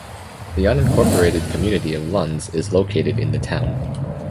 The unincorporated community of Lunds is located in the town.